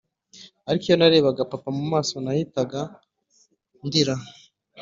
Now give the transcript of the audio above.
Ariko iyo narebaga papa mumaso nahitaga ndira